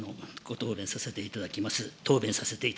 答弁させていただきます。